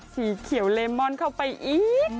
สีเขียวเลมอนเข้าไปอีก